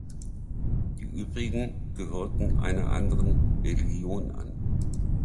Die übrigen gehörten einer anderen Religion an.